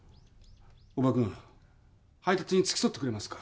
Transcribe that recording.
大庭くん配達に付き添ってくれますか？